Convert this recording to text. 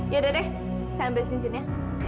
ya udah deh saya ambil cincinnya